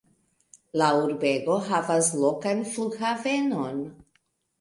La urbego havas lokan flughavenon.